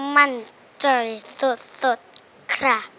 มั่นใจสุดครับ